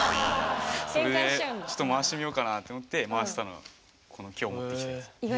それでちょっと回してみようかなって思って回せたのがこの今日持ってきたやつ。